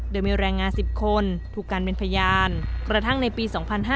โดยมีแรงงาน๑๐คนถูกกันเป็นพยานกระทั่งในปี๒๕๕๙